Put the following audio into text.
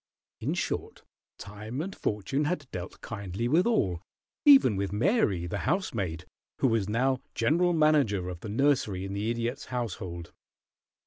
In short, time and fortune had dealt kindly with all, even with Mary, the housemaid, who was now general manager of the nursery in the Idiot's household.